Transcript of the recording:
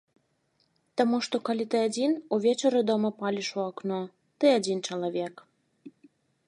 Таму што калі ты адзін, увечары дома паліш у акно,— ты адзін чалавек.